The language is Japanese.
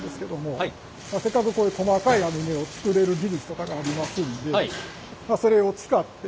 せっかくこういう細かい網目を作れる技術とかがありますんでまあそれを使って。